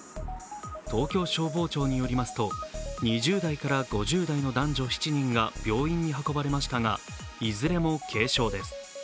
東京消防庁によりますと、２０代から５０代の男女７人が病院に運ばれましたが、いずれも軽傷です。